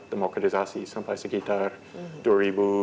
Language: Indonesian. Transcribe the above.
demokrasi sampai sekitar